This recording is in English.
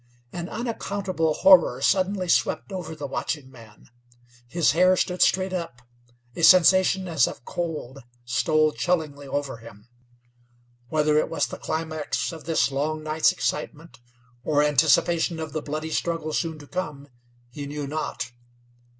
An unaccountable horror suddenly swept over the watching man. His hair stood straight up; a sensation as of cold stole chillingly over him. Whether it was the climax of this long night's excitement, or anticipation of the bloody struggle soon to come, he knew not.